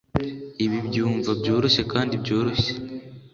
Ibi byumva byoroshye kandi byoroshye